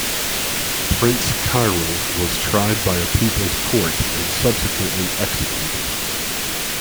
Prince Kyril was tried by a People's Court and subsequently executed.